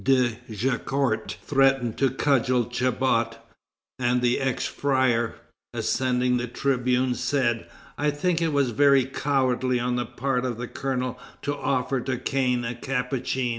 de Jaucourt threatened to cudgel Chabot, and the ex friar, ascending the tribune, said: "I think it was very cowardly on the part of a colonel to offer to cane a Capuchin."